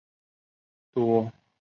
多称其为大阪单轨铁路。